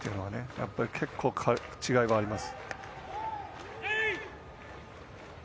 やっぱり結構、違いはあります。